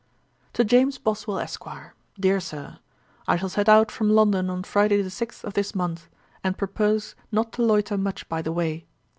'To JAMES BOSWELL, ESQ. 'DEAR SIR, 'I shall set out from London on Friday the sixth of this month, and purpose not to loiter much by the way.